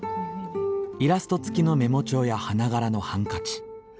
イラストつきのメモ帳や花柄のハンカチ。